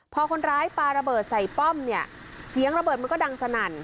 พอคนร้ายปลาระเบิดใส่ป้อมเนี่ยเสียงระเบิดมันก็ดังสนั่น